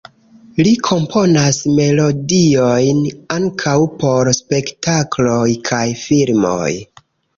Li komponas melodiojn ankaŭ por spektakloj kaj filmoj.